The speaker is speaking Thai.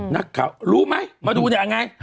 นักข่าวรู้ไหมมาดูเนี่ยยังไง